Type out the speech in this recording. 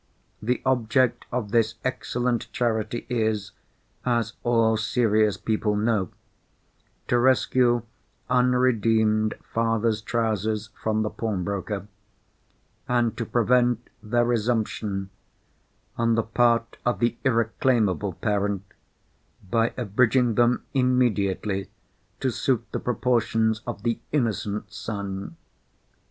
The object of this excellent Charity is—as all serious people know—to rescue unredeemed fathers' trousers from the pawnbroker, and to prevent their resumption, on the part of the irreclaimable parent, by abridging them immediately to suit the proportions of the innocent son.